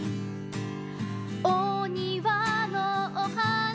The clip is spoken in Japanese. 「おにわのお花が」